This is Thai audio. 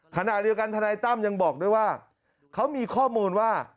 ขณะเดียวกันทนายตั้มยังบอกด้วยว่าเขามีข้อมูลว่า